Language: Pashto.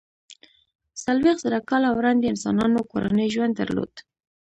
څلویښت زره کاله وړاندې انسانانو کورنی ژوند درلود.